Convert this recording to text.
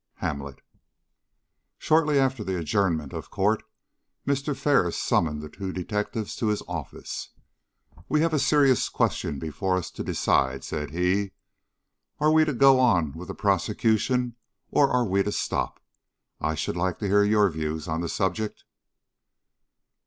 HAMLET. SHORTLY after the adjournment of court, Mr. Ferris summoned the two detectives to his office. "We have a serious question before us to decide," said he. "Are we to go on with the prosecution or are we to stop? I should like to hear your views on the subject."